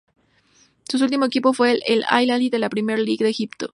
Su último equipo fue el Al-Ahly de la Premier League de Egipto.